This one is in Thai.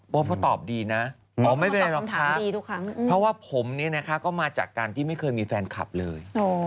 เขาตอบดีนะอ๋อไม่เป็นไรหรอกค่ะเพราะว่าผมเนี่ยนะคะก็มาจากการที่ไม่เคยมีแฟนคลับเลย